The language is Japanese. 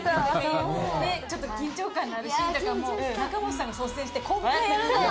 ちょっと緊張感のあるシーンとかも仲本さんが率先してこんくらいやるんだよ！